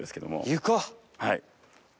はい。